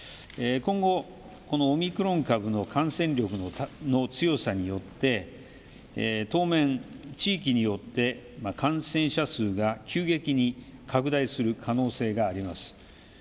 今後、このオミクロン株の感染力の強さによって当面、地域によって感染者数が急激に拡大する可能性があります。